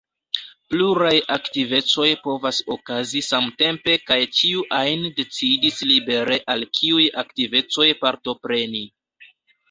Pluraj aktivecoj povas okazi samtempe kaj ĉiu ajn decidas libere al kiuj aktivecoj partopreni.